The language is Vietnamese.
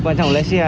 quan trọng là lái xe